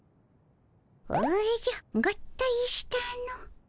おじゃ合体したの。